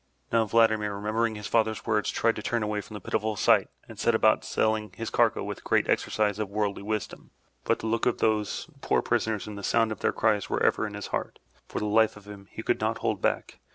Now, Vladimir, remembering his father's words, tried to turn away from the pitiful sight and set about selling his cargo with great exercise of worldly wisdom, but the look of those poor prisoners and the sound of their cries were ever in his heart. For the life of him, he could not hold back.